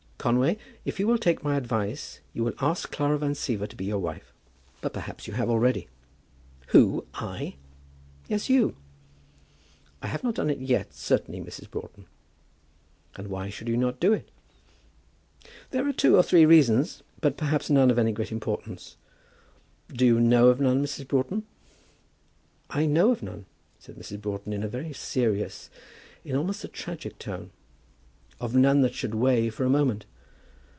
Conway, if you will take my advice you will ask Clara Van Siever to be your wife. But perhaps you have already." "Who; I?" "Yes; you." "I have not done it yet, certainly, Mrs. Broughton." "And why should you not do it?" "There are two or three reasons; but perhaps none of any great importance. Do you know of none, Mrs. Broughton?" "I know of none," said Mrs. Broughton in a very serious, in almost a tragic tone; "of none that should weigh for a moment.